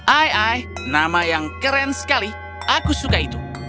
ai nama yang keren sekali aku suka itu